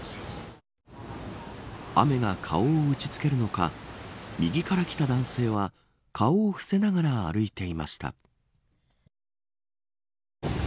雨が顔を打ち付けるのか右から来た男性は顔を伏せながら歩いていました。